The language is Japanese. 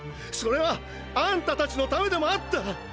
それはあんたたちのためでもあった！！